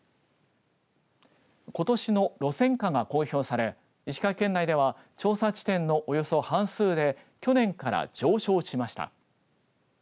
ことしの路線価が公表され石川県内では調査地点のおよそ半数で去年から上昇しました。